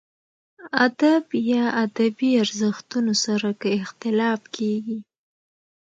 ادب یا ادبي ارزښتونو سره که اختلاف کېږي.